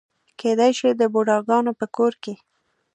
کېدای شي د بوډاګانو په کور کې.